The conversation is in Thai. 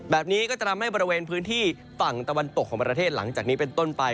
แบบนี้ก็จะทำให้บริเวณพื้นที่ฝั่งตะวันตกของประเทศหลังจากนี้เป็นต้นไป